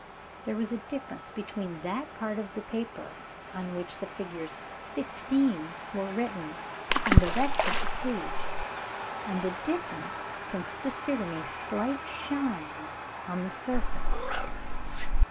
There was a difference between that part of the paper on which the figures "15" were written, and the rest of the page and the difference consisted in a slight shine on the surface.